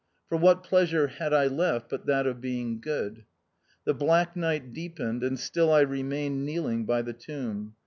For what pleasure had I left but that of being good ? The black night deepened, and still I re mained kneeling by the tomb.